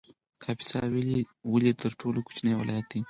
کاپیسا ولې تر ټولو کوچنی ولایت دی؟